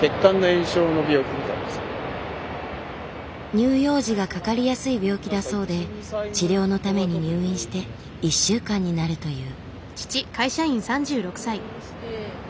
乳幼児がかかりやすい病気だそうで治療のために入院して１週間になるという。